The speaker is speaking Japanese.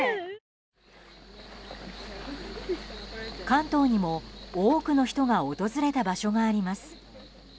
関東にも多くの人が訪れた場所があります。